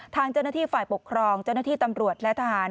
ทางเจ้าหน้าที่ฝ่ายปกครองเจ้าหน้าที่ตำรวจและทหาร